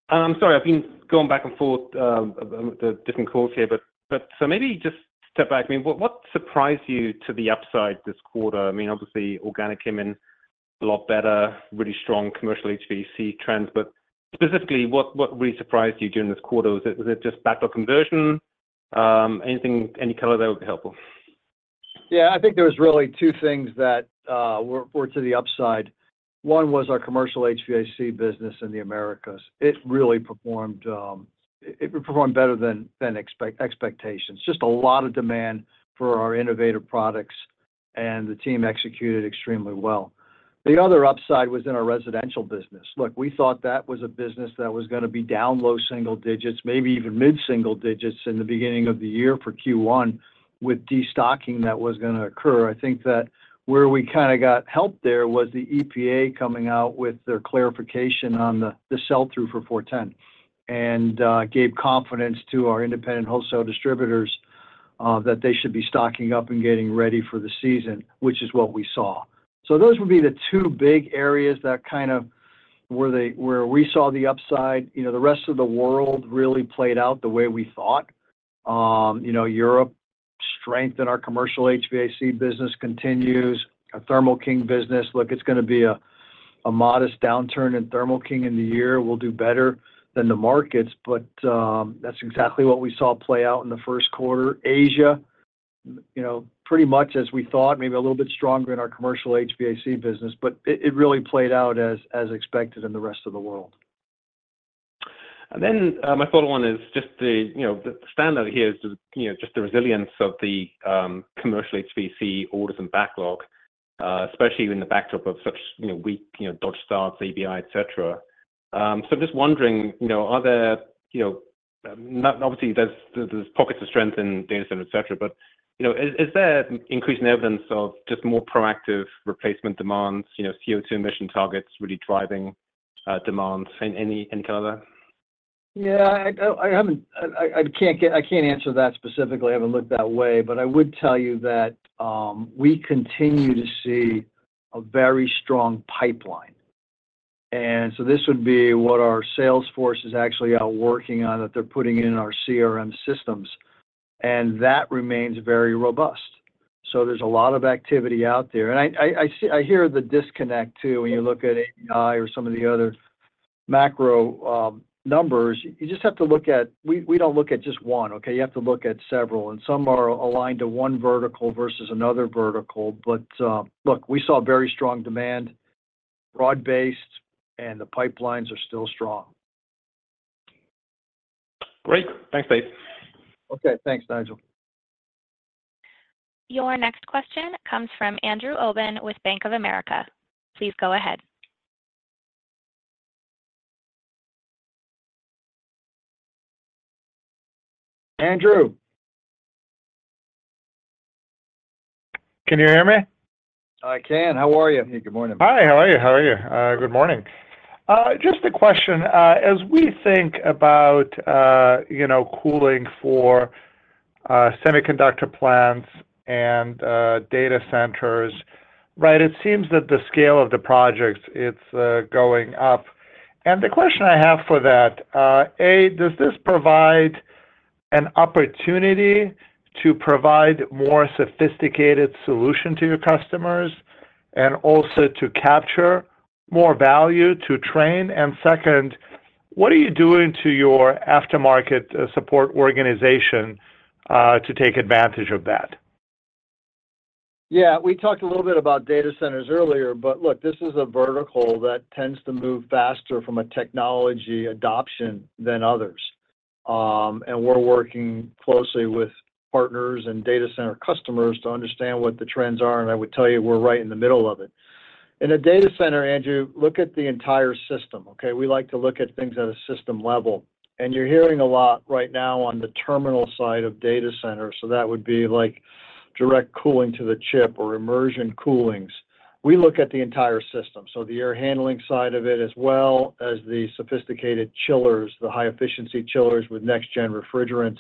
Speaker 12: sorry, I've been going back and forth, the different calls here, but so maybe just step back. I mean, what surprised you to the upside this quarter? I mean, obviously, organic came in a lot better, really strong commercial HVAC trends, but specifically, what really surprised you during this quarter? Was it just backlog conversion? Anything, any color there would be helpful....
Speaker 3: Yeah, I think there was really two things that were to the upside. One was our commercial HVAC business in the Americas. It really performed, it performed better than expectations. Just a lot of demand for our innovative products, and the team executed extremely well. The other upside was in our residential business. Look, we thought that was a business that was gonna be down low single digits, maybe even mid-single digits in the beginning of the year for Q1, with destocking that was gonna occur. I think that where we kinda got help there was the EPA coming out with their clarification on the sell-through for 410, and gave confidence to our independent wholesale distributors that they should be stocking up and getting ready for the season, which is what we saw. So those would be the two big areas that kind of where we saw the upside. You know, the rest of the world really played out the way we thought. You know, Europe, strength in our commercial HVAC business continues. Our Thermo King business, look, it's gonna be a modest downturn in Thermo King in the year. We'll do better than the markets, but that's exactly what we saw play out in the first quarter. Asia, you know, pretty much as we thought, maybe a little bit stronger in our commercial HVAC business, but it really played out as expected in the rest of the world.
Speaker 12: And then, my follow-on is just the, you know, the standout here is the, you know, just the resilience of the commercial HVAC orders and backlog, especially in the backdrop of such, you know, weak, you know, Dodge starts, API, et cetera. So just wondering, you know, are there, you know,... Obviously, there's pockets of strength in data center, et cetera, but, you know, is there increasing evidence of just more proactive replacement demands, you know, CO2 emission targets really driving demands in any color?
Speaker 3: Yeah, I haven't... I can't get—I can't answer that specifically. I haven't looked that way, but I would tell you that we continue to see a very strong pipeline. And so this would be what our sales force is actually out working on, that they're putting in our CRM systems, and that remains very robust. So there's a lot of activity out there. And I see—I hear the disconnect, too, when you look at API or some of the other macro numbers. You just have to look at—We don't look at just one, okay? You have to look at several, and some are aligned to one vertical versus another vertical. But look, we saw very strong demand, broad-based, and the pipelines are still strong.
Speaker 12: Great. Thanks, Dave.
Speaker 3: Okay, thanks, Nigel.
Speaker 1: Your next question comes from Andrew Obin with Bank of America. Please go ahead.
Speaker 3: Andrew?
Speaker 13: Can you hear me?
Speaker 3: I can. How are you? Hey, good morning.
Speaker 13: Hi, how are you? How are you? Good morning. Just a question. As we think about, you know, cooling for semiconductor plants and data centers, right? It seems that the scale of the projects, it's going up. And the question I have for that, A, does this provide an opportunity to provide more sophisticated solution to your customers and also to capture more value, to Trane? And second, what are you doing to your aftermarket support organization to take advantage of that?
Speaker 3: Yeah, we talked a little bit about data centers earlier, but look, this is a vertical that tends to move faster from a technology adoption than others. And we're working closely with partners and data center customers to understand what the trends are, and I would tell you, we're right in the middle of it. In a data center, Andrew, look at the entire system, okay? We like to look at things at a system level, and you're hearing a lot right now on the terminal side of data centers, so that would be like direct cooling to the chip or immersion coolings. We look at the entire system, so the air handling side of it, as well as the sophisticated chillers, the high-efficiency chillers with next-gen refrigerants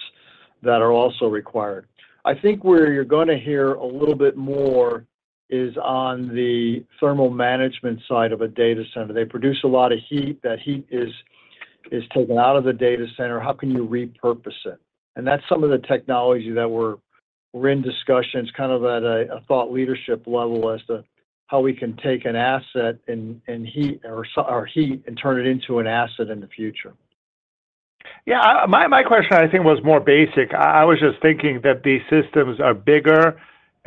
Speaker 3: that are also required. I think where you're gonna hear a little bit more is on the thermal management side of a data center. They produce a lot of heat. That heat is taken out of the data center. How can you repurpose it? And that's some of the technology that we're in discussions, kind of at a thought leadership level as to how we can take an asset and heat and turn it into an asset in the future.
Speaker 13: Yeah, my question, I think, was more basic. I was just thinking that these systems are bigger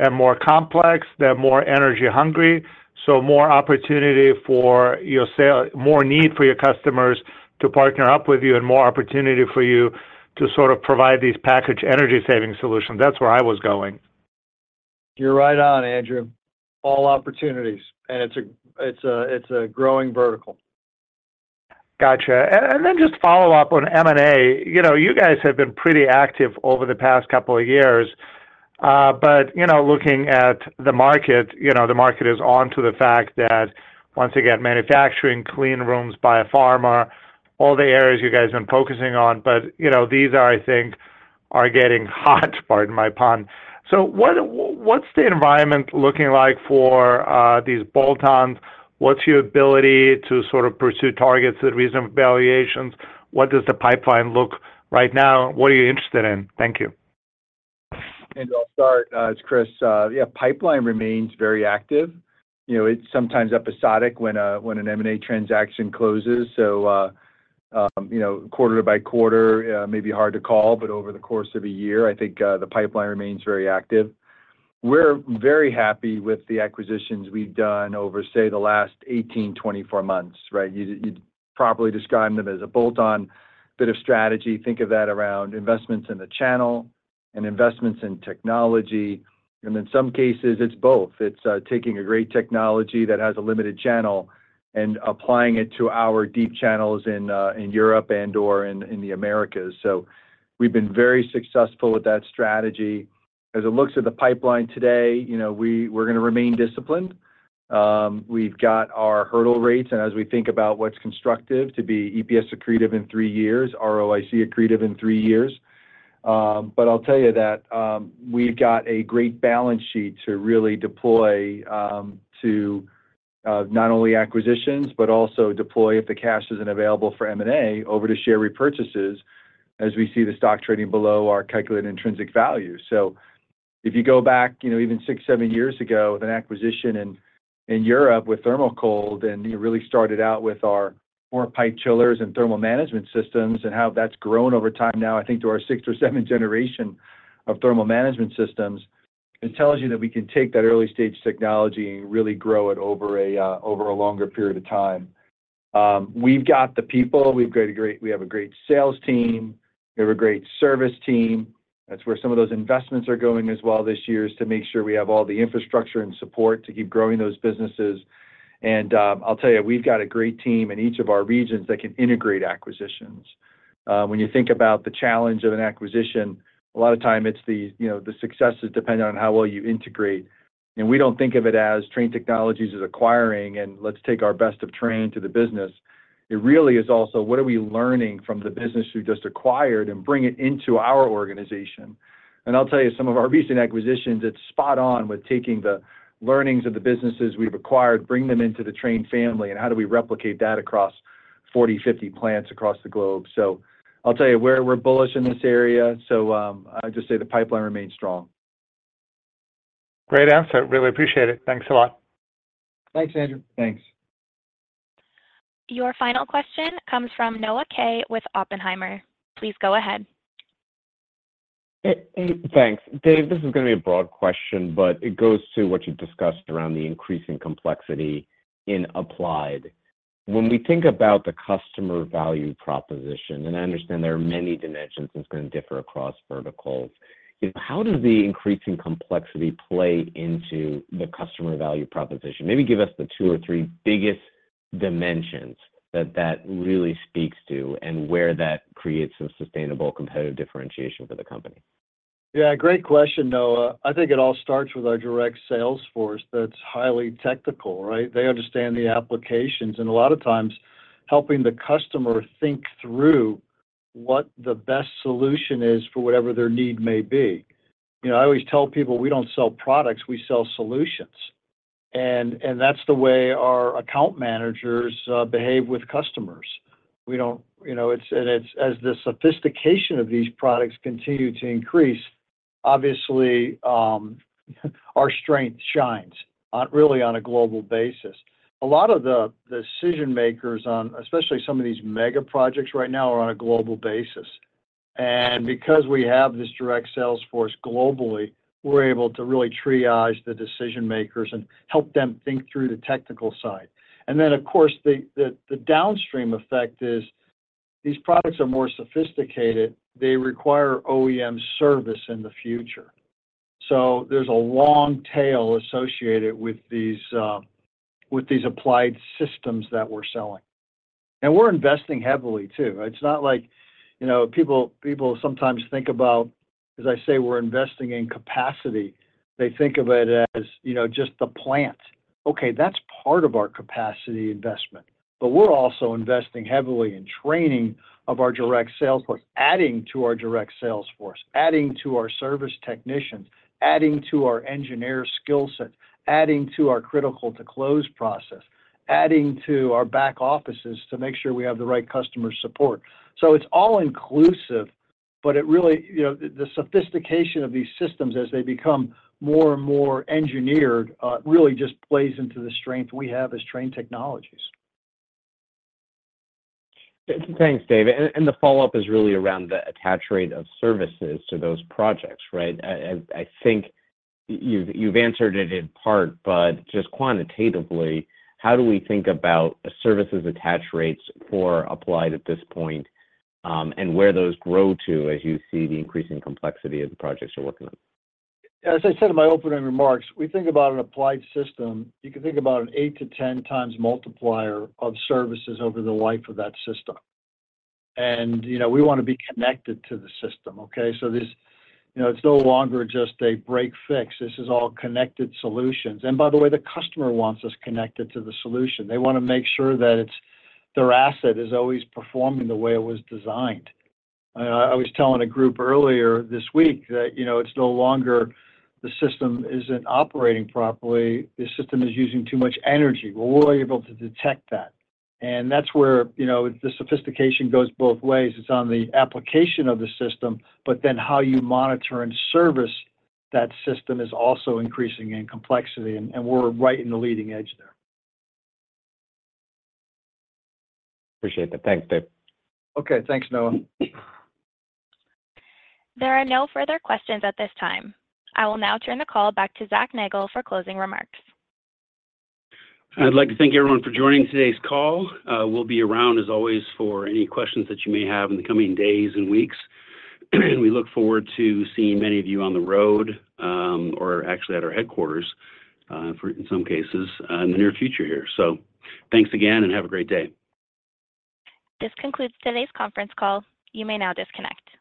Speaker 13: and more complex, they're more energy-hungry, so more opportunity for your sales, more need for your customers to partner up with you and more opportunity for you to sort of provide these package energy-saving solutions. That's where I was going.
Speaker 3: You're right on, Andrew. All opportunities, and it's a growing vertical.
Speaker 13: Gotcha. And, and then just follow up on M&A. You know, you guys have been pretty active over the past couple of years, but, you know, looking at the market, you know, the market is on to the fact that, once again, manufacturing, clean rooms biopharma, all the areas you guys have been focusing on, but, you know, these are, I think, are getting hot, pardon my pun. So what, what's the environment looking like for, these bolt-ons? What's your ability to sort of pursue targets at reasonable valuations? What does the pipeline look right now? What are you interested in? Thank you.
Speaker 4: I'll start, it's Chris. Yeah, pipeline remains very active. You know, it's sometimes episodic when an M&A transaction closes, so, you know, quarter by quarter may be hard to call, but over the course of a year, I think, the pipeline remains very active. We're very happy with the acquisitions we've done over, say, the last 18, 24 months, right? You'd properly describe them as a bolt-on bit of strategy. Think of that around investments in the channel and investments in technology, and in some cases, it's both. It's taking a great technology that has a limited channel and applying it to our deep channels in Europe and/or in the Americas. So we've been very successful with that strategy. As it looks at the pipeline today, you know, we're gonna remain disciplined. We've got our hurdle rates, and as we think about what's constructive to be EPS accretive in three years, ROIC accretive in three years. But I'll tell you that, we've got a great balance sheet to really deploy to not only acquisitions, but also deploy if the cash isn't available for M&A, over to share repurchases, as we see the stock trading below our calculated intrinsic value. So if you go back, you know, even six, seven years ago, with an acquisition in Europe with Thermocold, and you really started out with our multi-pipe chillers and thermal management systems and how that's grown over time now, I think, to our sixth or seventh generation of thermal management systems, it tells you that we can take that early-stage technology and really grow it over a longer period of time. We've got the people, we've got a great—we have a great sales team, we have a great service team. That's where some of those investments are going as well this year, is to make sure we have all the infrastructure and support to keep growing those businesses. I'll tell you, we've got a great team in each of our regions that can integrate acquisitions. When you think about the challenge of an acquisition, a lot of time, it's the, you know, the success is dependent on how well you integrate. And we don't think of it as Trane Technologies is acquiring, and let's take our best of Trane to the business. It really is also what are we learning from the business we've just acquired and bring it into our organization? I'll tell you, some of our recent acquisitions, it's spot on with taking the learnings of the businesses we've acquired, bring them into the Trane family, and how do we replicate that across 40, 50 plants across the globe. I'll tell you, we're bullish in this area, so, I'd just say the pipeline remains strong.
Speaker 13: Great answer. Really appreciate it. Thanks a lot.
Speaker 3: Thanks, Andrew. Thanks.
Speaker 1: Your final question comes from Noah Kaye with Oppenheimer. Please go ahead.
Speaker 14: Hey, hey, thanks. Dave, this is gonna be a broad question, but it goes to what you've discussed around the increasing complexity in Applied. When we think about the customer value proposition, and I understand there are many dimensions, it's gonna differ across verticals. How does the increasing complexity play into the customer value proposition? Maybe give us the two or three biggest dimensions that that really speaks to and where that creates some sustainable competitive differentiation for the company.
Speaker 3: Yeah, great question, Noah. I think it all starts with our direct sales force that's highly technical, right? They understand the applications, and a lot of times, helping the customer think through what the best solution is for whatever their need may be. You know, I always tell people, "We don't sell products, we sell solutions." And that's the way our account managers behave with customers. We don't... You know, it's as the sophistication of these products continue to increase, obviously, our strength shines, really on a global basis. A lot of the decision-makers on, especially some of these mega projects right now, are on a global basis. And because we have this direct sales force globally, we're able to really triage the decision-makers and help them think through the technical side. And then, of course, the downstream effect is these products are more sophisticated. They require OEM service in the future. So there's a long tail associated with these applied systems that we're selling. And we're investing heavily, too. It's not like, you know, people sometimes think about, as I say, we're investing in capacity. They think of it as, you know, just the plant. Okay, that's part of our capacity investment, but we're also investing heavily in training of our direct sales force, adding to our direct sales force, adding to our service technicians, adding to our engineer skill set, adding to our critical-to-close process, adding to our back offices to make sure we have the right customer support. So it's all inclusive, but it really, you know, the sophistication of these systems as they become more and more engineered, really just plays into the strength we have as Trane Technologies.
Speaker 14: Thanks, Dave, the follow-up is really around the attach rate of services to those projects, right? I think you've answered it in part, but just quantitatively, how do we think about services attach rates for Applied at this point, and where those grow to, as you see the increasing complexity of the projects you're working on?
Speaker 3: As I said in my opening remarks, we think about an applied system. You can think about an 8-10 times multiplier of services over the life of that system. And, you know, we wanna be connected to the system, okay? So this, you know, it's no longer just a break/fix. This is all connected solutions. And by the way, the customer wants us connected to the solution. They wanna make sure that it's their asset is always performing the way it was designed. I was telling a group earlier this week that, you know, it's no longer, the system isn't operating properly, the system is using too much energy. Well, we're able to detect that. And that's where, you know, the sophistication goes both ways. It's on the application of the system, but then how you monitor and service that system is also increasing in complexity, and we're right in the leading edge there.
Speaker 14: Appreciate that. Thanks, Dave.
Speaker 3: Okay. Thanks, Noah.
Speaker 1: There are no further questions at this time. I will now turn the call back to Zac Nagle for closing remarks.
Speaker 2: I'd like to thank everyone for joining today's call. We'll be around, as always, for any questions that you may have in the coming days and weeks. We look forward to seeing many of you on the road, or actually at our headquarters, for in some cases, in the near future here. So thanks again, and have a great day.
Speaker 1: This concludes today's conference call. You may now disconnect.